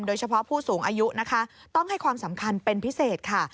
โดยเฉพาะผู้สูงอายุนะคะต้องให้ความสำคัญเป็นพิเศษค่ะ